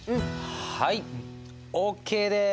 はいＯＫです。